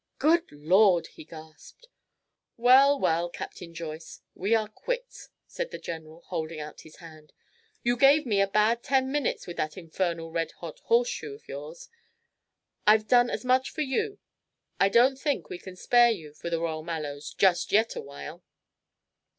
"Good Lord!" he gasped. "Well, well, Captain Joyce, we are quits!" said the general, holding out his hand. "You gave me a bad ten minutes with that infernal red hot horseshoe of yours. I've done as much for you. I don't think we can spare you for the Royal Mallows just yet awhile."